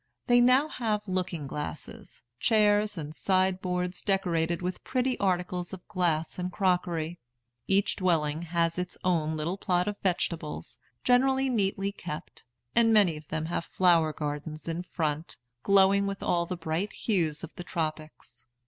They now have looking glasses, chairs, and side boards decorated with pretty articles of glass and crockery. Each dwelling has its little plot of vegetables, generally neatly kept; and many of them have flower gardens in front, glowing with all the bright hues of the tropics.